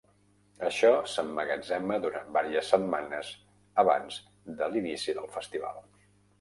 Això s'emmagatzema durant vàries setmanes abans de l'inici del festival.